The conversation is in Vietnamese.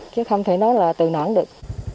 chứ không thể nói là từ nõn được